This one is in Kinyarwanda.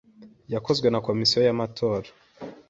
yakozwe na Komisiyo y’Amatora.